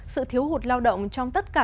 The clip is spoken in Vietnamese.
sự thiếu hụt lao động trong tất cả các nơi